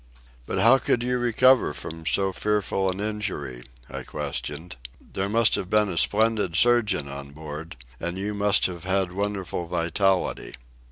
"But how could you recover from so fearful an injury?" I questioned. "There must have been a splendid surgeon on board, and you must have had wonderful vitality."